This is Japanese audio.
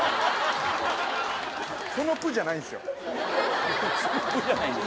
そのプじゃないんですよ